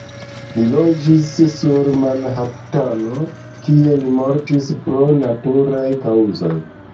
Li loĝis sur Manhatano, kie mortis pro naturaj kaŭzoj.